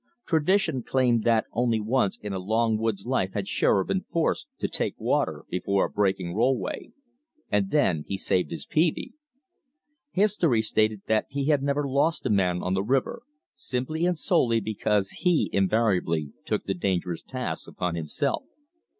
Tradition claimed that only once in a long woods life had Shearer been forced to "take water" before a breaking rollway: and then he saved his peavey. History stated that he had never lost a man on the river, simply and solely because he invariably took the dangerous tasks upon himself.